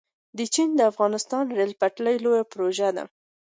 د چین - افغانستان ریل پټلۍ لویه پروژه ده